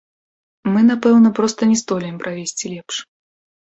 Мы, напэўна, проста не здолеем правесці лепш.